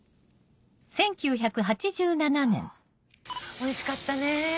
おいしかったね